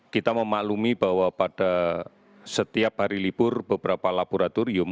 kita memaklumi bahwa pada setiap hari libur beberapa laboratorium